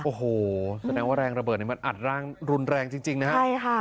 โอ้โหแสดงว่าแรงระเบิดมันอัดร่างรุนแรงจริงนะครับ